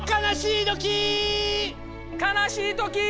かなしいときー！